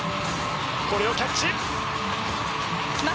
これをキャッチ。